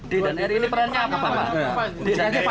d dan r ini perannya apa